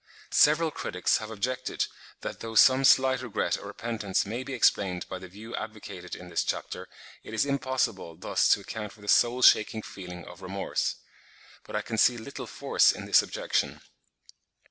Several critics have objected that though some slight regret or repentance may be explained by the view advocated in this chapter, it is impossible thus to account for the soul shaking feeling of remorse. But I can see little force in this objection.